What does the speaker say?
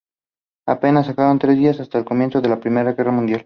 Apenas pasaron tres días hasta el comienzo de la Primera Guerra Mundial.